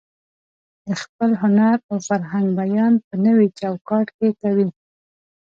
د خپل هنر او فرهنګ بیان په نوي چوکاټ کې کوي.